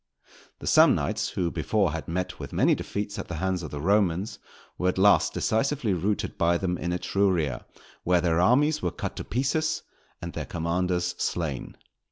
_ The Samnites, who before had met with many defeats at the hands of the Romans, were at last decisively routed by them in Etruria, where their armies were cut to pieces and their commanders slain.